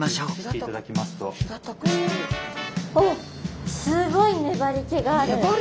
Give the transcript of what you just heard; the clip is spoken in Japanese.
あっすごい粘りけがある。